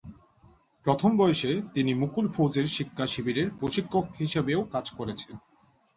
প্রথম বয়সে তিনি মুকুল ফৌজের শিক্ষা শিবিরের প্রশিক্ষক হিসেবেও কাজ করেছেন।